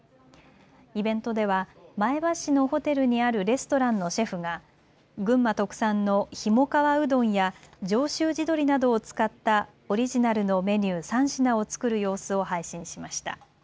イベントでは前橋市のホテルにあるレストランのシェフが群馬特産のひもかわうどんや上州地鶏などを使ったオリジナルのメニュー３品を作る様子を配信しました。